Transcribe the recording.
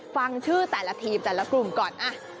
ฟังชื่อแต่ละทีมแต่ละกลุ่มก่อน